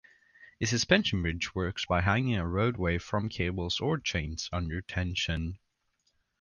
A suspension bridge works by hanging a roadway from cables or chains under tension.